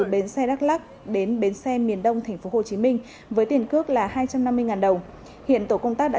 bến xe đắk lắc đến bến xe miền đông tp hcm với tiền cước là hai trăm năm mươi đồng hiện tổ công tác đã